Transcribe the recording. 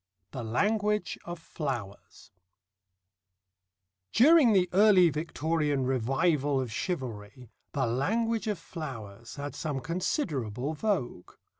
THE LANGUAGE OF FLOWERS During the early Victorian revival of chivalry the Language of Flowers had some considerable vogue.